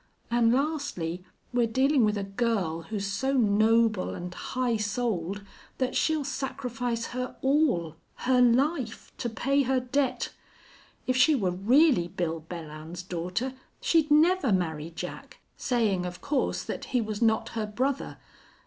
And, lastly, we're dealing with a girl who's so noble and high souled that she'll sacrifice her all her life to pay her debt. If she were really Bill Belllounds's daughter she'd never marry Jack, saying, of course, that he was not her brother....